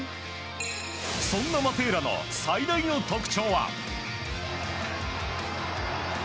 そんなマテーラの最大の特徴は。